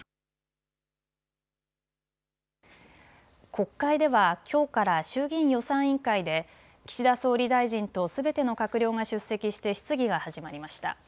国会ではきょうから衆議院予算委員会で岸田総理大臣とすべての閣僚が出席して質疑が始まりました。